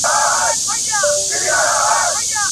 جمهوریت د ټولنې لپاره مهمه ده.